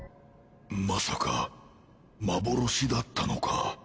まさか幻だったのか？